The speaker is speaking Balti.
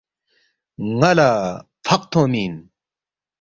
ن٘ا لہ فق تھونگمی اِن